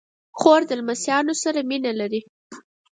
خور د لمسيانو سره مینه لري.